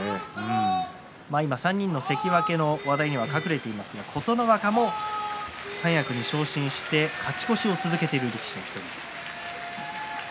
３人の関脇の話題が書かれていますが琴ノ若も三役に昇進して勝ち越しを続けています。